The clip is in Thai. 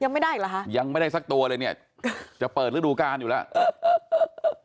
ไม่ได้อีกเหรอคะยังไม่ได้สักตัวเลยเนี่ยจะเปิดฤดูการอยู่แล้ว